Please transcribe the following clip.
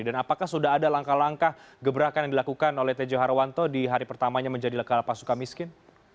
dan apakah sudah ada langkah langkah gebrakan yang dilakukan oleh tejo harwanto di hari pertamanya menjadi kalapas suka miskin